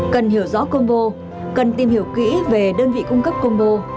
cần hiểu rõ combo cần tìm hiểu kỹ về đơn vị cung cấp combo